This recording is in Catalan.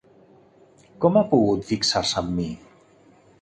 Com ha pogut fixar-se en mi?